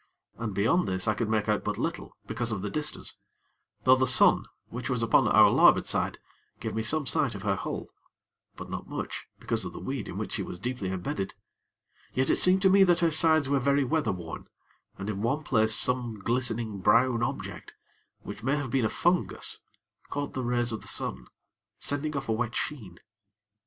And beyond this, I could make out but little, because of the distance; though the sun, which was upon our larboard side, gave me some sight of her hull, but not much, because of the weed in which she was deeply embedded; yet it seemed to me that her sides were very weather worn, and in one place some glistening brown object, which may have been a fungus, caught the rays of the sun, sending off a wet sheen.